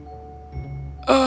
aku ingin menunjukkan sesuatu